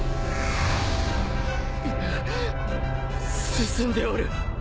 進んでおる！